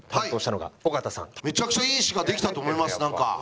めちゃくちゃいい詞ができたと思いますなんか。